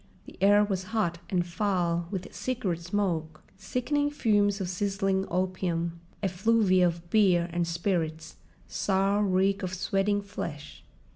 The air was hot, and foul with cigarette smoke, sickening fumes of sizzling opium, effluvia of beer and spirits, sour reek of sweating flesh.